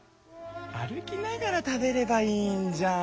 歩きながら食べればいいんじゃん。